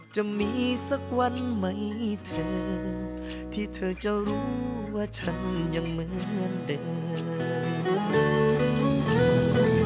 จะมีสักวันไหมเธอที่เธอจะรู้ว่าฉันยังเหมือนเดิม